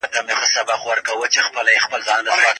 کنايي طلاق له نيت پرته نه واقع کيږي.